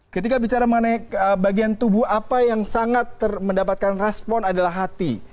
ketika bicara mengenai bagian tubuh apa yang sangat mendapatkan respon adalah hati